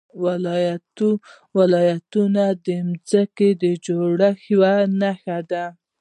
ولایتونه د ځمکې د جوړښت یوه نښه ده.